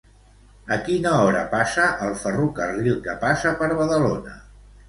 A quina hora passa el ferrocarril que passa per Badalona?